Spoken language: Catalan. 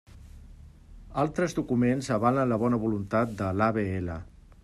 Altres documents avalen la bona voluntat de l'AVL.